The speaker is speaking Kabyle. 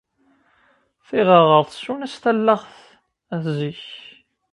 Tiɣerɣert tessun-as talaɣt at zik.